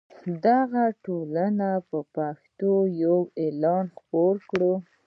دغې ټولنې په پښتو یو اعلان خپور کړ.